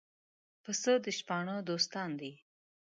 پسه د شپانه دوستان دي.